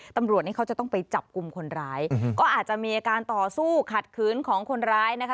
ตำรวจนี่เขาจะต้องไปจับกลุ่มคนร้ายก็อาจจะมีอาการต่อสู้ขัดขืนของคนร้ายนะคะ